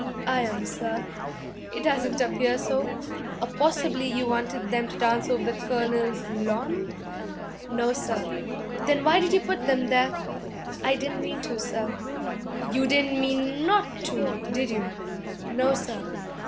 'I am, sir.' 'It doesn't appear so; or possibly you wanted them to dance over the colonel's lawn?' 'No, sir.' 'Then why did you put them there?' 'I didn't mean to, sir.' 'You didn't mean not to, did you?' 'No, sir.'